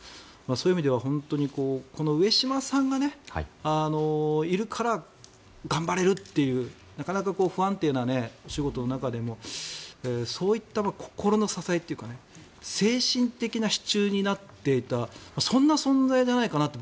そういう意味では本当に、上島さんがいるから頑張れるというなかなか不安定なお仕事の中でもそういった心の支えというか精神的な支柱になっていたそんな存在じゃないかなって